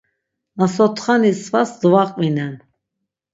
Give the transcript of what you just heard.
Nasotxani svas dvaqvinen.